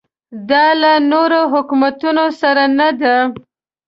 دا له نورو حکومتونو سره نه ده.